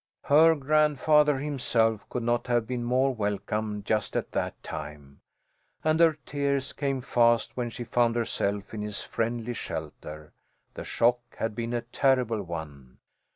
Her grandfather himself could not have been more welcome just at that time, and her tears came fast when she found herself in his friendly shelter. The shock had been a terrible one.